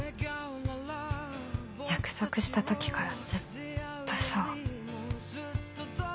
約束した時からずっとそう。